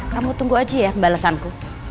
kamu tunggu aja ya balasanku